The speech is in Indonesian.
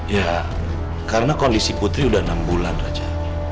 ya karena kondisi putri udah enam bulan raja